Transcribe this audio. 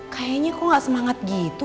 kayaknya kok gak semangat gitu